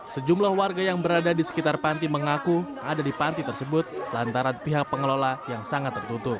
sejumlah warga yang berada di sekitar panti mengaku ada di panti tersebut lantaran pihak pengelola yang sangat tertutup